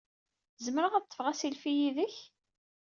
Zemreɣ ad ṭṭfeɣ asilfi yid-k?